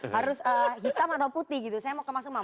harus hitam atau putih gitu saya mau ke mas umam